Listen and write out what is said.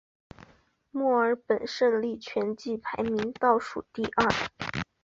墨尔本胜利全季排名倒数第二。